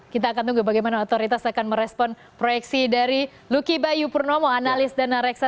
kita akan tunggu bagaimana otoritas akan merespon proyeksi dari luki bayu purnomo analis dana reksa